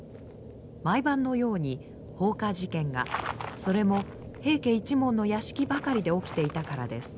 毎晩のように放火事件がそれも平家一門の屋敷ばかりで起きていたからです。